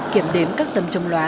kiểm đếm các tấm trồng lóa